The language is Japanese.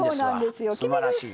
すばらしい。